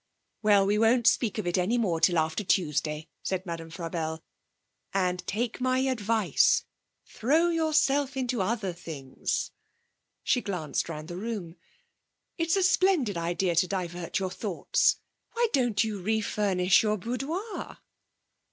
'Well, we won't speak of it any more till after Tuesday,' said Madame Frabelle, 'and take my advice: throw yourself into other things.' She glanced round the room. 'It's a splendid idea to divert your thoughts; why don't you refurnish your boudoir?'